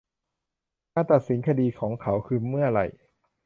การตัดสินคดีของเขาคือเมื่อไหร่